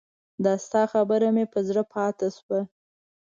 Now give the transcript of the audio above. د تا خبره مې پر زړه پاته شوه